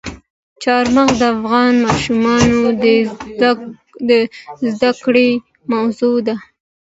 چار مغز د افغان ماشومانو د زده کړې موضوع ده.